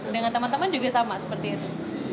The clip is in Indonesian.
dengan temen temen juga sama seperti itu